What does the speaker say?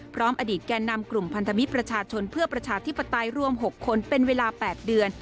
อดีตแก่นำกลุ่มพันธมิตรประชาชนเพื่อประชาธิปไตยรวม๖คนเป็นเวลา๘เดือน